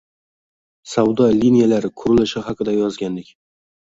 savdo liniyalari qurilishi haqida yozgandik